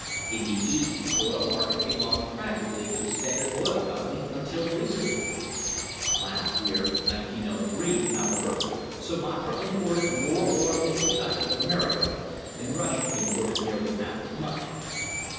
In the East the oil market belonged practically to the Standard Oil Company until recently. Last year (1903), however, Sumatra imported more oil into China than America, and Russia imported nearly half as much.